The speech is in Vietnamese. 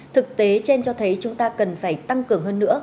thực tế trên cho thấy chúng ta cần phải tăng cường hơn nữa